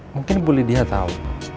mungkin bu lydia tahu